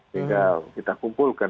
sehingga kita kumpulkan